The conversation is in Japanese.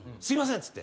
「すいません」